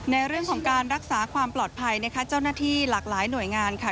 ในเรื่องของการรักษาความปลอดภัยนะคะเจ้าหน้าที่หลากหลายหน่วยงานค่ะ